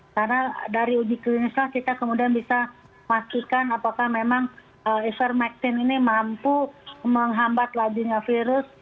karena dari uji klinis kita kemudian bisa pastikan apakah memang ivermectin ini mampu menghambat lajing virus